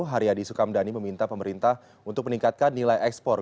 haryadi sukamdhani meminta pemerintah untuk meningkatkan nilai ekspor